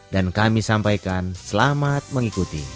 dan kami sampaikan selamat mengikuti